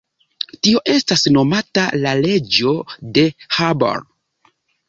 Tio estas nomata la leĝo de Hubble.